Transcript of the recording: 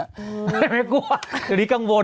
เดี๋ยวนี้กังวล